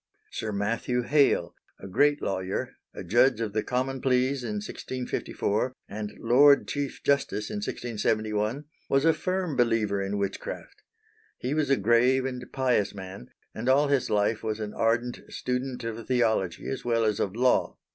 Sir Matthew Hale, a great lawyer, a judge of the Common Pleas in 1654, and Lord Chief Justice in 1671, was a firm believer in witchcraft. He was a grave and pious man, and all his life was an ardent student of theology as well as of law.